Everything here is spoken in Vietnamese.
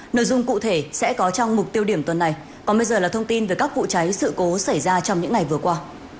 nội dung cụ thể sẽ có trong mục tiêu điểm tuần này còn bây giờ là thông tin về các vụ cháy sự cố xảy ra trong những ngày vừa qua